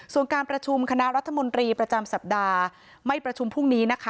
ส่วนการประชุมคณะรัฐมนตรีประจำสัปดาห์ไม่ประชุมพรุ่งนี้นะคะ